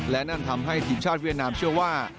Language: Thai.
และนั่นทำให้ทีมชาติเวียดนามเชื่อว่า